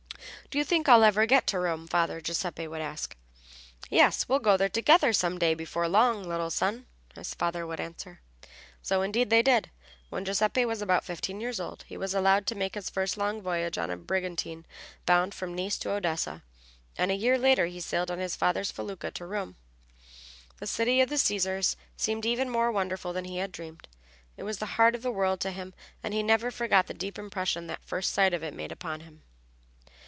"Do you think I'll ever get to Rome, father?" Giuseppe would ask. "Yes. We'll go there together some day before long, little son," his father would answer. So indeed they did. When Giuseppe was about fifteen years old he was allowed to make his first long voyage on a brigantine bound from Nice to Odessa, and a year later he sailed on his father's felucca to Rome. The city of the Cæsars seemed even more wonderful than he had dreamed. It was the heart of the world to him, and he never forgot the deep impression that first sight of it made upon him.